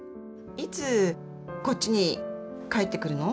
いつこっちに帰ってくるの？